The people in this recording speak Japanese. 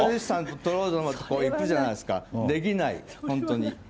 サンロードの所行くじゃないですか、できない、本当に。